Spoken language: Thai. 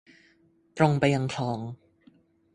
ตรงไปยังคลอง